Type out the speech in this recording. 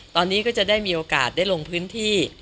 ตอนนี้ก็จะได้มีโอกาสได้ลงพื้นที่